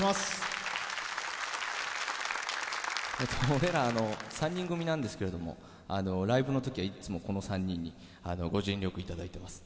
俺ら３人組なんですけどライブのときはいっつもこの３人にご尽力いただいています。